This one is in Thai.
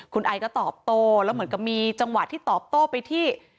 คุณไอก็ตอบโต้แล้วเหมือนกับมีจังหวะที่ตอบโต้ไปที่